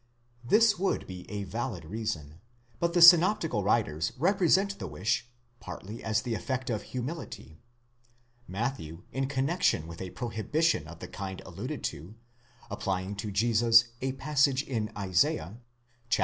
7 This would be a valid reason; but the synoptical writers represent the wish, partly as the effect of humility ;® Matthew, in connexion with a prohibition of the kind alluded to, applying to Jesus a passage in Isaiah (xlii.